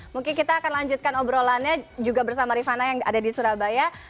mungkin kita akan lanjutkan obrolannya juga bersama rifana yang ada di surabaya